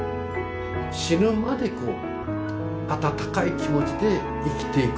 死ぬまでこう温かい気持ちで生きていく。